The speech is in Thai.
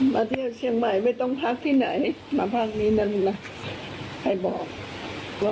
มาเที่ยวเชียงใหม่ไม่ต้องพักที่ไหนมาพักนี้นั่นนะใครบอกว่า